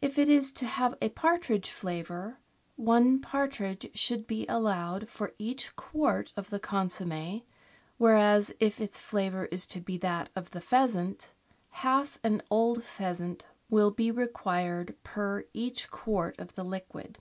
If it is to have a partridge flavour, one partridge should be allowed for each quart of the consomm^, whereas if its flavour is to be that of the pheasant, half an old pheasant will be required per each quart of the liquid.